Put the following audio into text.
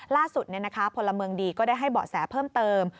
พลเมืองดีก็ได้ให้เบาะแสเพิ่มเติม